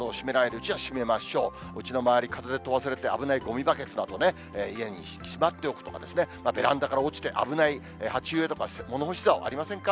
うちの周り、風に飛ばされて危ないごみバケツなどね、家にしまっておくとかですね、ベランダから落ちて危ない鉢植えとか物干しざお、ありませんか？